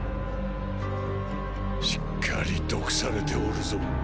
しっかり毒されておるぞ。